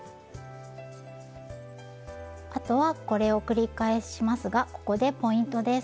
あとはこれを繰り返しますがここでポイントです。